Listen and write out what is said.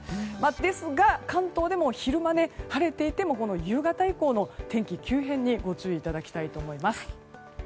ですが、関東でも昼間晴れていても夕方以降の天気急変にご注意いただきたいと思います。